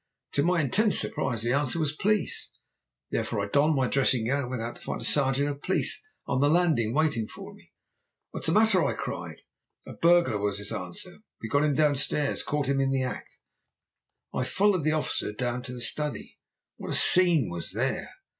To my intense surprise the answer was 'Police!' I therefore donned my dressing gown, and went out to find a sergeant of police on the landing waiting for me. "'What is the matter?' I cried. "'A burglar!' was his answer. 'We've got him downstairs; caught him in the act.' "I followed the officer down to the study. What a scene was there!